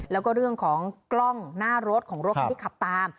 แล้วก็เรื่องของกล้องหน้ารถของรถคันที่ขับตาม